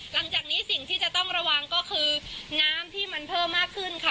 หลังจากนี้สิ่งที่จะต้องระวังก็คือน้ำที่มันเพิ่มมากขึ้นค่ะ